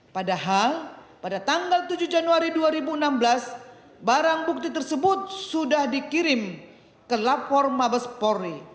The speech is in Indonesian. padahal pada tanggal tujuh januari dua ribu enam belas barang bukti tersebut sudah dikirim ke lapor mabes polri